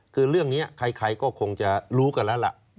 คือเรื่องนี้ใครก็คงจะรู้กันแล้วล่ะ